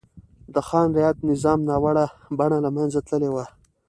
د خان رعیت نظام ناوړه بڼه له منځه تللې وه.